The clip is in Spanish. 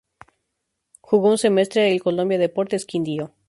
Jugó un semestre el Colombia, Deportes Quindio.